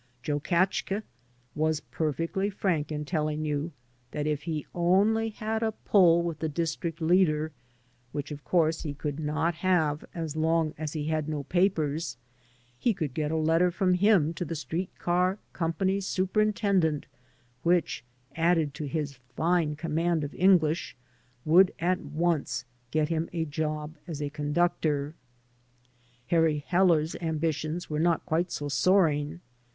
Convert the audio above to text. Joe Katchke was perfectly frank in telling you that if he only had a pull with the district leader — which, of course, he could not have as long as he had no papers — ^he could get a letter from him to the street car company's superintendent which, added to his fine command of English, would at once get him a job as a conductor. Harry Heller's ambitions were not quite so soaring.